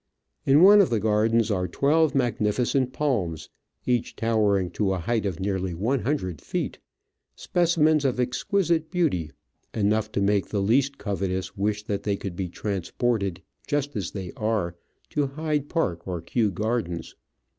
In one of the gardens are twelve magnificent palms, each towering to a height of nearly one hundred feet, speci mens of exquisite beauty, enough to make the least covetous wish that they could be transported just as they are to Hyde Park or Kew Gardens.